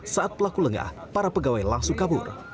saat pelaku lengah para pegawai langsung kabur